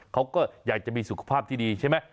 เขาก็อยากจะมีสุขภาพที่ดีใช่ไหม